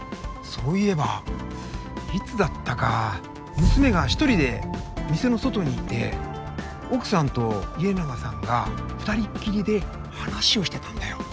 そういえばいつだったか娘がひとりで店の外にいて奥さんと家長さんが２人きりで話をしてたんだよ。